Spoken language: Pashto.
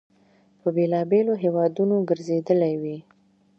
په بېلابېلو هیوادونو ګرځېدلی وي.